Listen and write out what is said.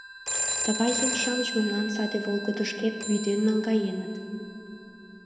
Тыгай еҥ-шамыч мемнам саде волгыдышкет вӱден наҥгаеныт.